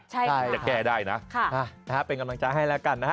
ใช่ค่ะค่ะใช่ค่ะเป็นกำลังจักรให้แล้วกันนะครับ